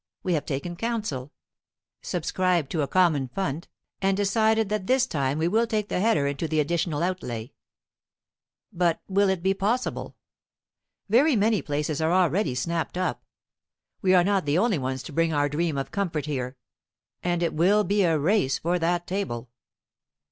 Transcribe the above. We have taken counsel, subscribed to a common fund, and decided that this time we will take the header into the additional outlay. But will it be possible? Very many places are already snapped up. We are not the only ones to bring our dream of comfort here, and it will be a race for that table.